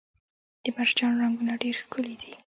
د مرجان رنګونه ډیر ښکلي دي